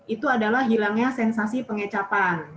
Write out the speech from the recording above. itu adalah hilangnya sensasi pengecapan